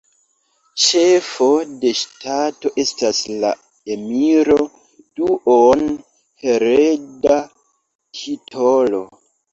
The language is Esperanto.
Ĉefo de ŝtato estas la Emiro, duon-hereda titolo.